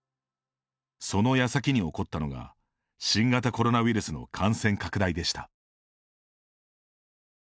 そのやさきに起こったのが新型コロナウイルスの感染拡大でした。